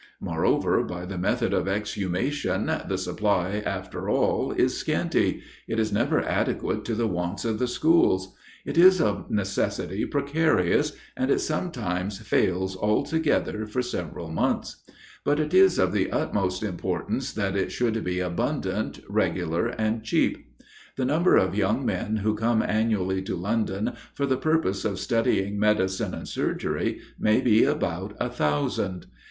Moreover, by the method of exhumation, the supply after all is scanty; it is never adequate to the wants of the schools; it is of necessity precarious, and it sometimes fails altogether for several months. But it is of the utmost importance that it should be abundant, regular, and cheap. The number of young men who come annually to London for the purpose of studying medicine and surgery, may be about a thousand.